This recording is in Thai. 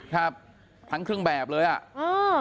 ทั้งเครื่องแบบเลยอ่ะเออ